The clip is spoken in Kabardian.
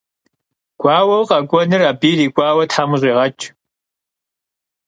Guaueu khek'uenur abı yirik'uaue them khış'iğeç'!